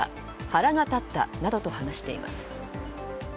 腹が立ったなどと話しています。